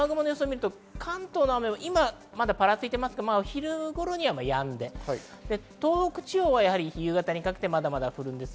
関東の雨は今はまだぱらついていますが昼頃にはやんで東北地方は夕方にかけてまだ降ります。